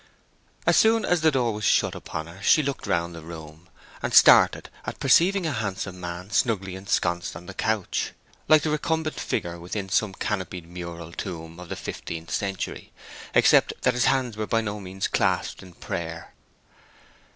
As soon as the door was shut upon her she looked round the room, and started at perceiving a handsome man snugly ensconced in the couch, like the recumbent figure within some canopied mural tomb of the fifteenth century, except that his hands were by no means clasped in prayer.